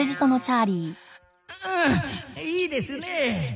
うんいいですね。